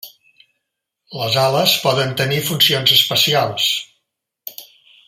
Les ales poden tenir funcions especials.